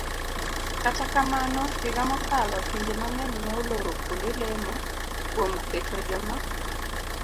Kata kamano, higa mokalo, pinje mang'eny ne oloro kuonde lemo kuom keto joma